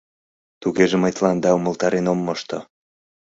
— Тугеже мый тыланда умылтарен ом мошто.